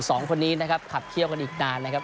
สองคนนี้นะครับขับเขี้ยวกันอีกนานนะครับ